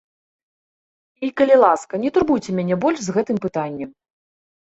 І, калі ласка, не турбуйце мяне больш з гэтым пытаннем.